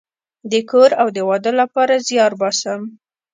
د کور او د واده لپاره زیار باسم